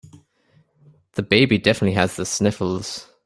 The baby definitely has the sniffles.